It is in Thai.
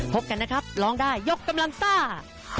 พบกันนะครับร้องได้ยกกำลังซ่า